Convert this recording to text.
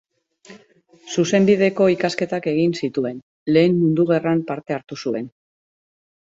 Zuzenbideko ikasketak egin zituen; Lehen Mundu Gerran parte hartu zuen.